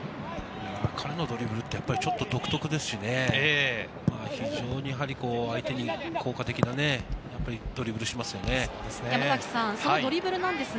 彼のドリブルはちょっと独特ですしね、非常に相手に効果的なドリブルをしますよね。